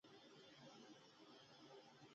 د هر تکليف په وخت کي بنده ته دری خبري متوجې کيږي